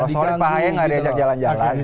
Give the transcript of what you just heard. solid pak aeng ada yang ajak jalan jalan